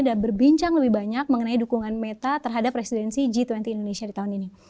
dan berbincang lebih banyak mengenai dukungan meta terhadap presidensi g dua puluh indonesia di tahun ini